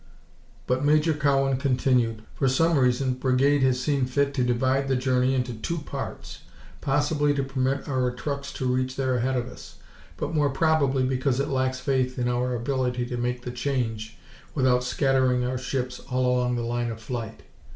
"But," Major Cowan continued, "for some reason Brigade has seen fit to divide the journey into two parts. Possibly to permit our trucks to reach there ahead of us, but more probably because it lacks faith in our ability to make the change without scattering our ships all along the line of flight.